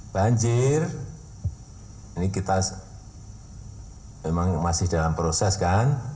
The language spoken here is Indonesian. banjir ini kita memang masih dalam proses kan